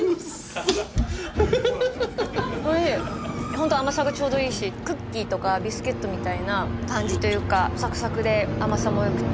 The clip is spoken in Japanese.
ホント甘さがちょうどいいしクッキーとかビスケットみたいな感じというかサクサクで甘さも良くて。